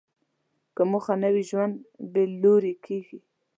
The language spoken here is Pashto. که موخه نه وي، ژوند بېلوري کېږي.